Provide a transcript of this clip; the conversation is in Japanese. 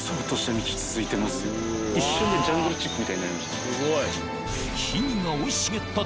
一瞬でジャングルチックみたいになりましたね。